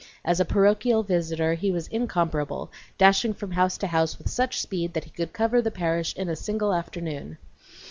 As a parochial visitor he was incomparable, dashing from house to house with such speed that he could cover the parish in a single afternoon.